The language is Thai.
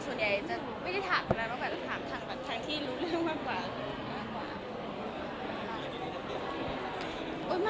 จะงั้นไม่ได้ถามมากกว่าจะถามแบบทางที่รู้เรื่องมากกว่า